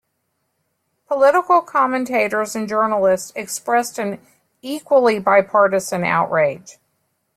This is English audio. Political commentators and journalists expressed an equally bipartisan outrage.